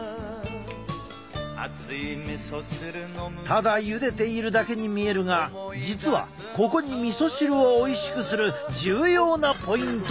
ただゆでているだけに見えるが実はここにみそ汁をおいしくする重要なポイントがある。